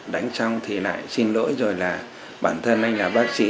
đánh xong thì lại xin lỗi rồi là bản thân anh là bác sĩ